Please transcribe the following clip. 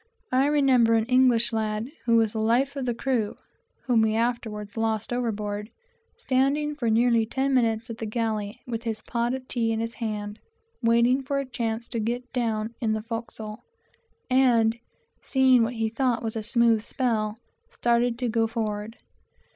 I remember an English lad who was always the life of the crew, but whom we afterwards lost overboard, standing for nearly ten minutes at the galley, with this pot of tea in his hand, waiting for a chance to get down into the forecastle; and seeing what he thought was a "smooth spell," started to go forward.